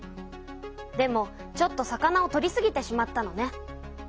でもちょっと魚を取りすぎてしまったのね。